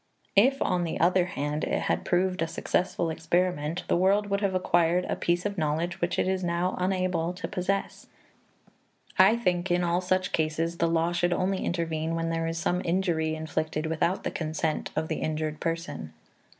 If, on the other hand, it had proved a successful experiment, the world would have acquired a piece of knowledge which it is now unable to possess. I think in all such cases the law should only intervene when there is some injury inflicted without the consent of the injured person.